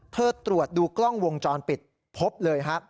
ตรวจดูกล้องวงจรปิดพบเลยฮะ